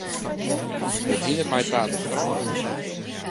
It hinget my ta de strôt út.